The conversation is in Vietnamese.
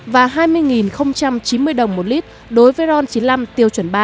và hai mươi chín mươi năm đồng một lít